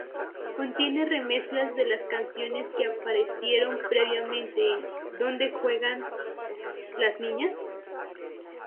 Contiene remezclas de las canciones que aparecieron previamente en "¿Dónde jugarán las niñas?